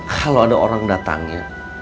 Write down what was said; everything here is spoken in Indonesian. kalau ada orang datangnya